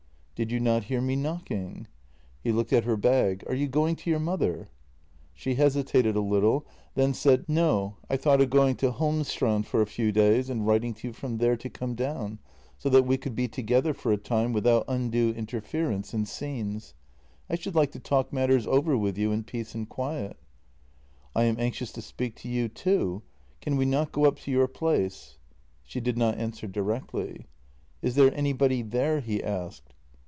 " Did you not hear me knocking? " He looked at her bag: " Are you going to your mother? " She hesitated a little, then said: "No; I thought of going to Holmestrand for a few days and writing to you from there to come down, so that we could be together for a time without undue interference and scenes. I should like to talk matters over with you in peace and quiet." " I am anxious to speak to you too. Can we not go up to your place? " She did not answer directly. " Is there anybody there? " he asked.